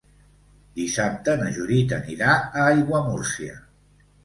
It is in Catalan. Dissabte na Judit anirà a Aiguamúrcia.